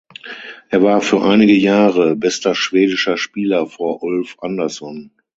Er war für einige Jahre bester schwedischer Spieler vor Ulf Andersson.